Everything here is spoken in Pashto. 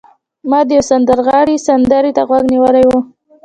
ما د یو سندرغاړي سندرې ته غوږ نیولی و